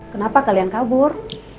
kenapa kalian kabur